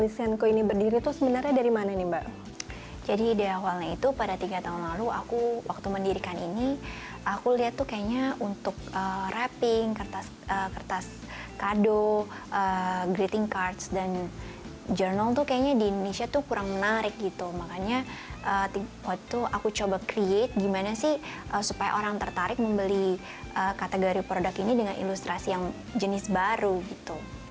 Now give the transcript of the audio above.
jurnal itu kayaknya di indonesia itu kurang menarik gitu makanya waktu itu aku coba create gimana sih supaya orang tertarik membeli kategori produk ini dengan ilustrasi yang jenis baru gitu